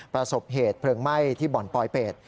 ประสบเหตุเพลิงไหม้ที่บ่อนปลอยเป็ด